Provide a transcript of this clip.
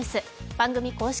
番組公式